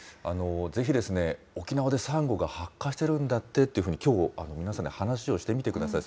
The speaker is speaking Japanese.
ぜひ沖縄でサンゴが白化してるんだってっていうふうに、きょう、皆さんで話をしてみてください。